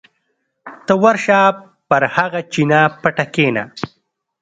ته ورشه پر هغه چینه پټه کېنه.